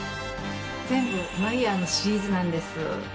全部マイヤーのシリーズなんです。